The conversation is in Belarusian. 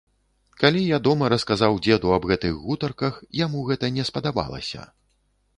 Калі я дома расказаў дзеду аб гэтых гутарках, яму гэта не спадабалася.